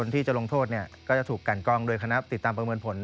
ที่จะลงโทษก็จะถูกกันกองโดยคณะติดตามประเมินผล